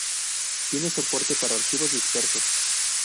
Tiene soporte para archivos dispersos.